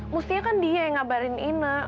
mustinya kan dia yang ngabarin ino